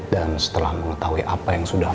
dan setelah mengetahui apa yang sudah